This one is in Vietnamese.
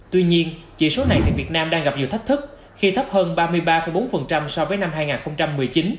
tuy nhiên chỉ số này tại việt nam đang gặp nhiều thách thức khi thấp hơn ba mươi ba bốn so với năm hai nghìn một mươi chín